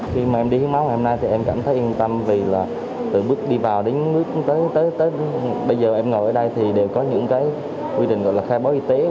khi mà em đi hiến máu ngày hôm nay thì em cảm thấy yên tâm vì là từ bước đi vào tới bây giờ em ngồi ở đây thì đều có những cái quy định gọi là khai báo y tế